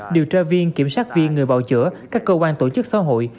điều tra viên kiểm sát viên người bảo chữa các cơ quan tổ chức xã hội